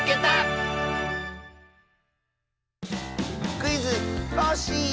「クイズ！コッシー」！